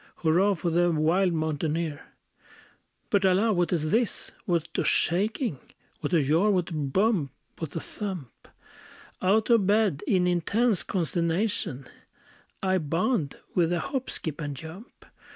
Hurrah, for the wild mountaineer! But, alas! what is this? what a shaking! What a jar! what a bump! what a thump! Out of bed, in intense consternation, I bound with a hop, skip, and jump.